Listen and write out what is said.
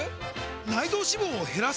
内臓脂肪を減らす！？